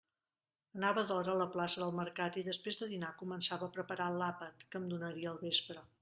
Anava d'hora a la plaça del mercat, i després de dinar començava a preparar l'àpat que em donaria al vespre.